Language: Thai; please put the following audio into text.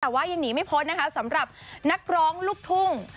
แต่ว่ายังหนีไม่พ้นนะคะสำหรับนักร้องลูกทุ่ง